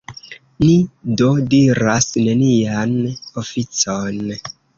Ni do diras: nenian oficon?